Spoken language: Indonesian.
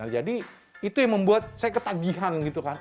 jadi itu yang membuat saya ketagihan